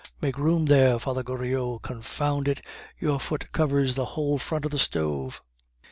"Make room there, Father Goriot! Confound it, your foot covers the whole front of the stove."